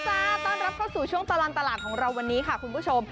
ต้อนรับเข้าสู่ช่วงตลอดตลาดของเราวันนี้ค่ะคุณผู้ชม